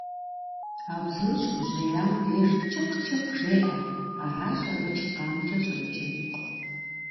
А бзур щыгужьеям деж «чыкъ-чыкъ» жеӀэ, аращ абы чыкъанкӀэ щӀеджэри.